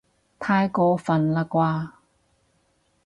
太過分喇啩